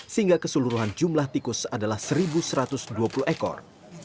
sehingga keseluruhan jumlah tikus adalah satu satu ratus dua puluh ekor